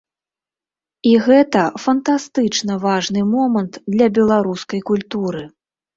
І гэта фантастычна важны момант для беларускай культуры.